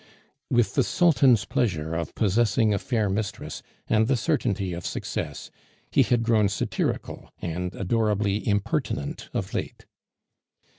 With the sultan's pleasure of possessing a fair mistress, and the certainty of success, he had grown satirical and adorably impertinent of late.